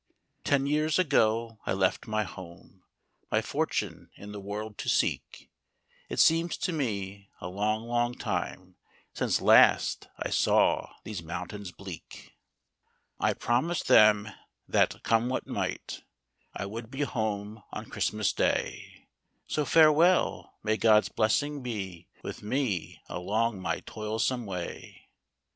Ten years ago I left my home My fortune in the world to ' seek ; It seems to me a long, long time Since last I saw these moun tains bleak. 227 HECTOR , THE DOG ." I promised them that, come what might, I would be home on Christmas Day ; So farewell ; may God's blessing be With me along my toilsome way."